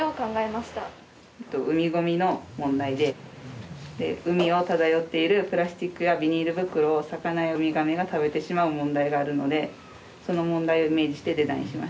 海ごみの問題で海を漂っているプラスチックやビニール袋を魚やウミガメが食べてしまう問題があるのでその問題をイメージしてデザインしました。